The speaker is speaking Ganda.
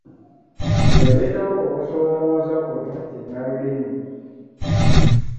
Y'ereetawo okusoomooza kuno kinnalulimi.